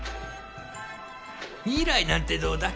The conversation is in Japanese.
「未来」なんてどうだ？